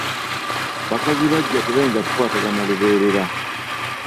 Bakazi baggya tebayinza kukwatagana lubeerera.